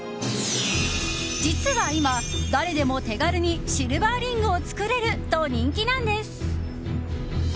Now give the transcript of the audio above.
実は今、誰でも手軽にシルバーリングを作れると人気なんです。